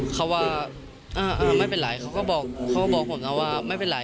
เขาว่าไม่เป็นไรเขาก็บอกผมนะว่าไม่เป็นไร